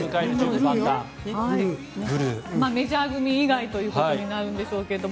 メジャー組以外となるんでしょうけど。